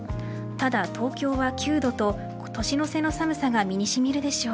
ただ東京は９度と年の瀬の寒さが身にしみるでしょう。